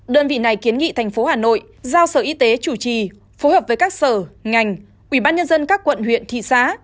đơn vị này kiến nghị thành phố hà nội giao sở y tế chủ trì phù hợp với các sở ngành ủy ban nhân dân các quận huyện thị xá